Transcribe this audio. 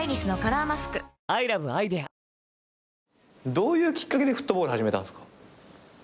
どういうきっかけでフットボール始めたんですか？